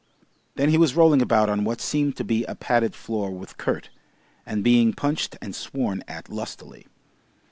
Then he was rolling about on what seemed to be a padded floor with Kurt, and being punched and sworn at lustily.